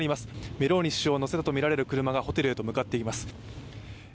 メローニ首相を乗せたとみられる車がホテルへと向かっています。